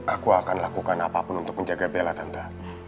aku akan lakukan apapun untuk menjaga bella tenta